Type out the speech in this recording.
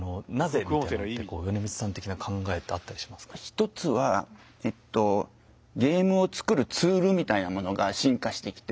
一つはえっとゲームを作るツールみたいなものが進化してきて